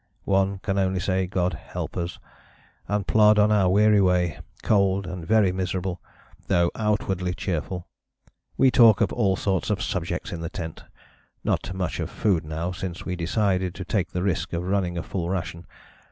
One can only say 'God help us!' and plod on our weary way, cold and very miserable, though outwardly cheerful. We talk of all sorts of subjects in the tent, not much of food now, since we decided to take the risk of running a full ration.